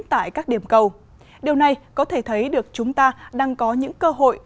tại các điểm cầu điều này có thể thấy được chúng ta đang có những cơ hội